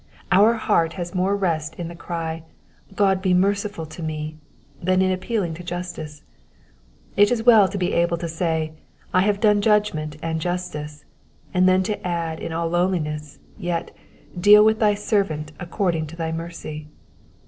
Our heart has more rest in the cry, ^^ God be merciful to me," than in appealing to justice. It is well to be able to say, I have done judgment ana justice," and then to add in all lowliness, yet deal with thy servant according unto thy mercy."